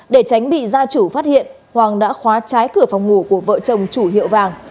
để tránh bị gia chủ phát hiện hoàng đã khóa trái cửa phòng ngủ của vợ chồng chủ hiệu vàng